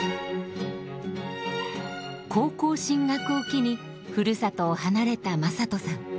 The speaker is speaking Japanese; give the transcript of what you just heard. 高校進学を機にふるさとを離れた正人さん。